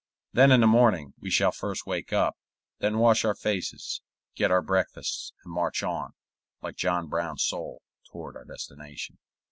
Then in the morning we shall first wake up, then wash our faces, get our breakfasts, and march on, like John Brown's soul, toward our destination.